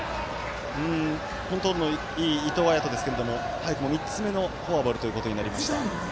コントロールのいい伊藤彩斗ですけれども早くも３つのフォアボールということになりました。